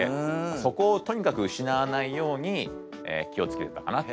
そこをとにかく失わないように気を付けてたかな。